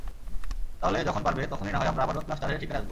তাহলে যখন পারবে তখনই নাহয় আমরা আবারো ব্লাস্টারের শিকারে আসবো।